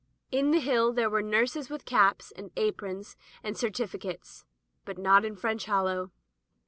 On the Hill there were nurses with caps, and aprons, and certifi cates, but not in French Hollow.